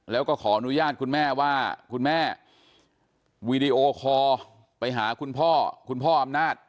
แล้วก็ขออนุญาตคุณแม่ว่าคุณแม่วีดีโอคอลไปหาคุณพ่อคุณพ่ออำนาจ